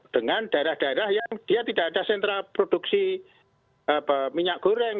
dengan daerah daerah yang dia tidak ada sentra produksi minyak goreng